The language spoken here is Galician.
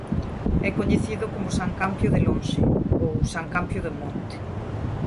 É coñecido como San Campio de Lonxe ou San Campio do Monte.